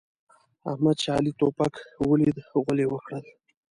احمد چې علي توپک وليد؛ غول يې وکړل.